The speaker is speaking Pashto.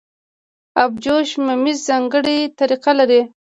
ابجوش ممیز ځانګړې طریقه لري.